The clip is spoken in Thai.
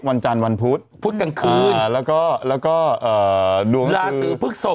วันจันทร์วันพุธพุธกลางคืนอ่าแล้วก็แล้วก็อ่าดวงลาสูรภึกศพ